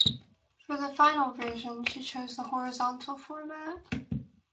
For the final version, she chose the horizontal format.